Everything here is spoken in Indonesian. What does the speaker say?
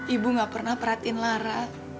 ibu gak pernah perhatiin lara